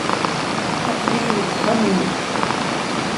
Aql-iyi deg uxxam-nnek.